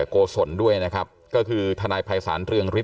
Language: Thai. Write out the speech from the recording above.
ก็คือทนายภายสารเรื่องลิป